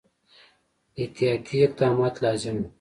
احتیاطي اقدامات لازم وه.